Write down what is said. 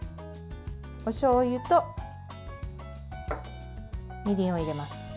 おしょうゆと、みりんを入れます。